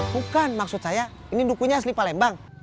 bukan maksud saya ini bukunya asli palembang